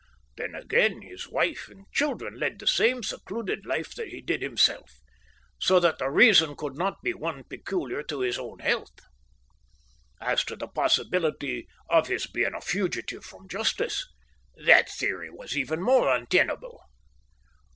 Then, again, his wife and children led the same secluded life that he did himself, so that the reason could not be one peculiar to his own health. As to the possibility of his being a fugitive from justice, that theory was even more untenable.